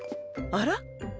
あら？